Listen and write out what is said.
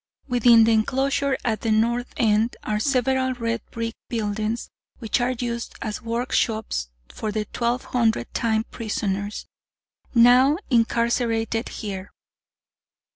"Within the enclosure, at the north end, are several red brick buildings, which are used as workshops for the twelve hundred time prisoners, now incarcerated here.